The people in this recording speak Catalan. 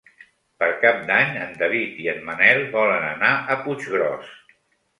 Per Cap d'Any en David i en Manel volen anar a Puiggròs.